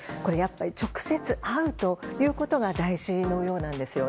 直接会うということが大事なようなんです。